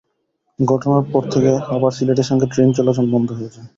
ঘটনার পর থেকে আবার সিলেটের সঙ্গে ট্রেন চলাচল বন্ধ হয়ে যায়।